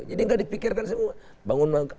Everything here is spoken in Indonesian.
jadi gak dipikirkan semua